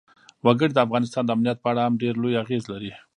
وګړي د افغانستان د امنیت په اړه هم ډېر لوی اغېز لري.